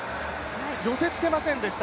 寄せ付けませんでした。